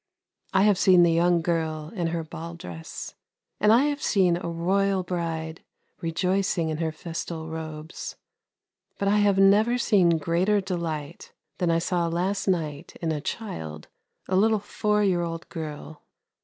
I have seen the young girl in her ball dress, and I have seen a royal bride rejoicing in her festal robes; but I have never seen greater delight than I saw last night in a child, a little four year old girl.